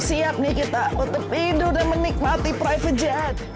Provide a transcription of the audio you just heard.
siap nih kita untuk tidur dan menikmati private jet